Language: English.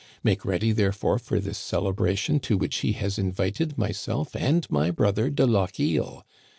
Make ready, therefore, for this celebration, to which he has invited myself and my brother de Lochiel.